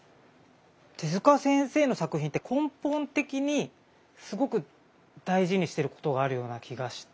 手先生の作品って根本的にすごく大事にしていることがあるような気がして。